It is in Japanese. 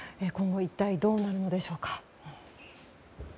今後、一体どうなるんでしょうか。